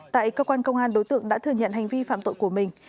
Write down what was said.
tại cơ quan công an đối tượng đã thừa nhận hành vi phạm tội của mình